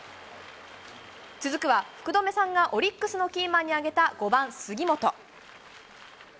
続くは、福留さんがオリックスのキーマンに挙げた５番杉本。